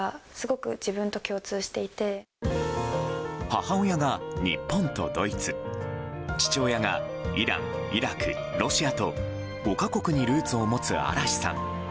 母親が日本とドイツ父親がイラン、イラク、ロシアと５か国にルーツを持つ嵐さん。